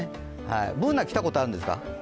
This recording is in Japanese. Ｂｏｏｎａ、着たことあるんですか？